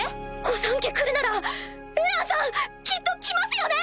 御三家来るならエランさんきっと来ますよね